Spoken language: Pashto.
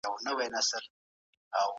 لیدلوري لري.